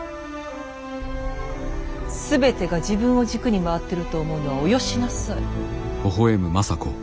全てが自分を軸に回ってると思うのはおよしなさい。